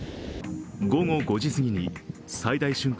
午後５時すぎに最大瞬間